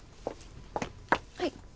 はい。